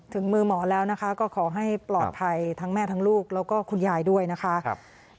ถึงมือหมอแล้วนะคะก็ขอให้ปลอดภัยทั้งแม่ทั้งลูกแล้วก็คุณยายด้วยนะคะ